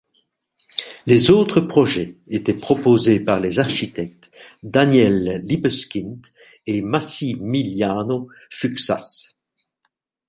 Les autres projets étaient proposés par les architectes Daniel Libeskind et Massimiliano Fuksas.